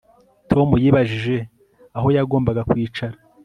Tom yibajije aho yagombaga kwicara